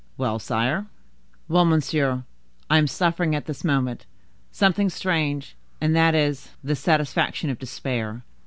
"Well, sire?" "Well, monsieur, I am suffering at this moment something strange, and that is, the satisfaction of despair.